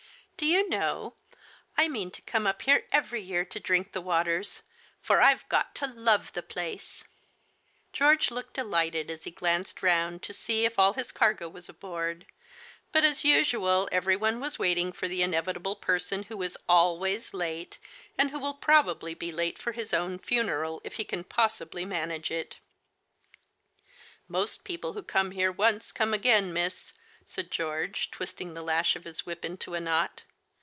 " Do you know, I mean to come up here every year to drink the waters, for I've got to love the place !George looked delighted as he glanced round to see if all his cargo was aboard, but as usual everyone was waiting for the inevitable person who is always late, and who will probably be late for his own funeral if he can possibly manage it. " Most people who come here once, come again, miss," said George, twisting the lash of his whip into a knot.